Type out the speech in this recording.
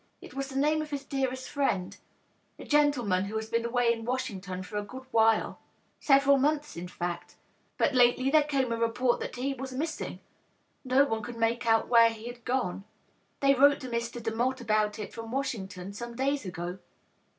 It was the name of his dearest friend — ^a gentleman who has been away in Washington for a good while — several months, in fact. But lately there came a report that he was missing ; no one could make out where he had gone. They wrote to Mr. Demotte about it from Washington, some days ago.